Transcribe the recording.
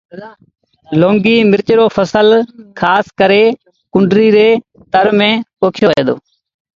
لونگيٚ مرچ رو ڦسل کآس ڪري ڪنريٚ ري تر ميݩ پوکيو وهي دو